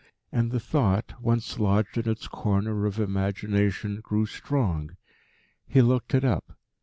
And the thought, once lodged in its corner of imagination, grew strong. He looked it up.